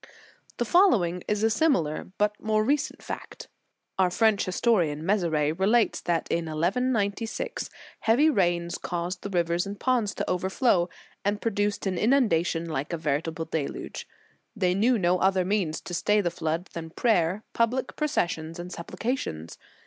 "* The following is a similar, but more recent fact Our French historian, Mezeray, relates that in 1196, heavy rains caused the rivers and ponds to overflow, and produced an inunda tion like a veritable deluge. They knew no other means to stay the flood than prayer, public processions, and supplications.